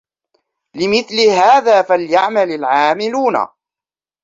لمثل هذا فليعمل العاملون